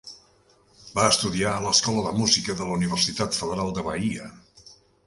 Va estudiar a l'escola de música de la Universitat Federal de Bahia.